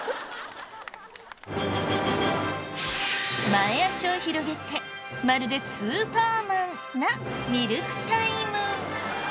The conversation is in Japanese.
前脚を広げてまるでスーパーマンなミルクタイム。